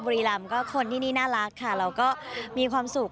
บุรีรำก็คนที่นี่น่ารักค่ะเราก็มีความสุข